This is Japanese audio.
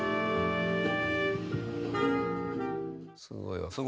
すごいわ。